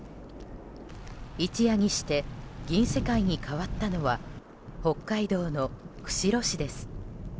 一夜にして銀世界に変わったのは北海道の釧路市です。